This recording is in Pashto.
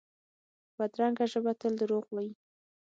بدرنګه ژبه تل دروغ وايي